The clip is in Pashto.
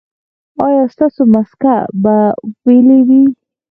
ایا ستاسو مسکه به ویلې وي؟